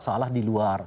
salah di luar